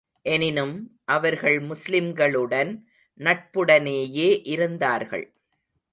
எனினும், அவர்கள் முஸ்லிம்களுடன் நட்புடனேயே இருந்தார்கள்.